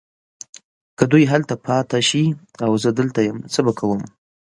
که دوی هلته پاته شي او زه دلته یم څه به کوم؟